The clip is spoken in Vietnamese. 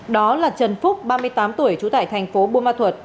đó là trần phúc ba mươi tám tuổi trú tại thành phố buôn ma thuật